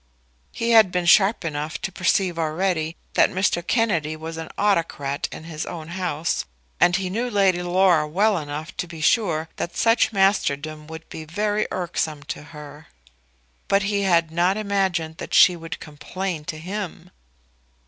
He had been sharp enough to perceive already that Mr. Kennedy was an autocrat in his own house, and he knew Lady Laura well enough to be sure that such masterdom would be very irksome to her. But he had not imagined that she would complain to him.